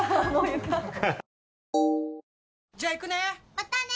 またね！